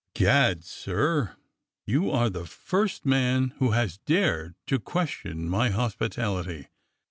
'* "Gad! sir, you are the first man who has dared to question my hospitality.